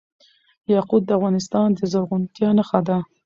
یاقوت د افغانستان د زرغونتیا نښه ده.